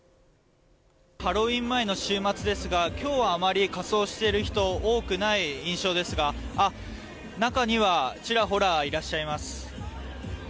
ハロウィーン前の週末ですが今日はあまり仮装している人多くない印象ですが中にはちらほらいらっしゃいます。